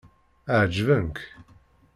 Ɛeǧben-k?